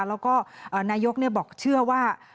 แล้วก็นายกบอกเชื่อว่า